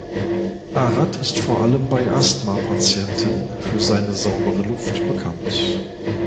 Arad ist vor allem bei Asthma-Patienten für seine saubere Luft bekannt.